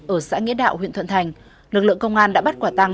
ở xã nghĩa đạo huyện thuận thành lực lượng công an đã bắt quả tăng